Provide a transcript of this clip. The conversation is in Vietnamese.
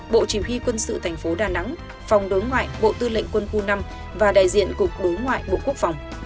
bộ chỉ huy quân sự thành phố đà nẵng phòng đối ngoại bộ tư lệnh quân khu năm và đại diện cục đối ngoại bộ quốc phòng